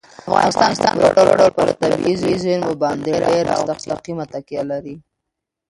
افغانستان په پوره ډول په خپلو طبیعي زیرمو باندې ډېره او مستقیمه تکیه لري.